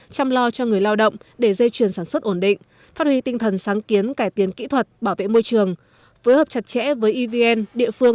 chăm lo cho người lao động để dây chuyển sản xuất ổn định phát huy tinh thần sáng kiến